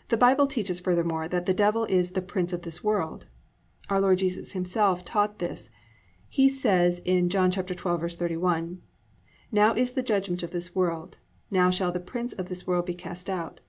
4. The Bible teaches furthermore that the Devil is "the prince of this world." Our Lord Jesus Himself taught this. He says in John 12:31: +"Now is the judgment of this world; now shall the prince of this world be cast out."